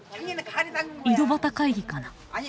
井戸端会議かな。